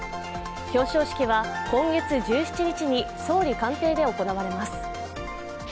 表彰式は今月１７日に総理官邸で行われます。